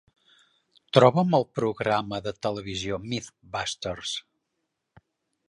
Troba'm el programa de televisió MythBusters